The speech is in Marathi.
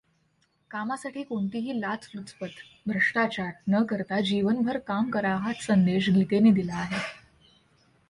कामासाठी कोणतीही लाचलुचपत, भ्रष्टाचार न करता जीवनभर काम करा हाच संदेश गीतेने दिला आहे.